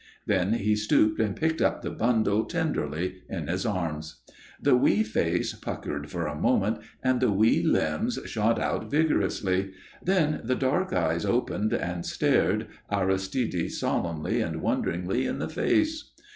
Then he stooped and picked up the bundle tenderly in his arms. The wee face puckered for a moment and the wee limbs shot out vigorously; then the dark eyes opened and stared Aristide solemnly and wonderingly in the face.